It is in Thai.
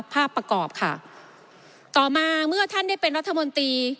ภาพประกอบค่ะต่อมาเมื่อท่านได้เป็นรัฐมนตรี